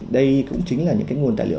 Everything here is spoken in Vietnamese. đây cũng chính là những cái nguồn tài liệu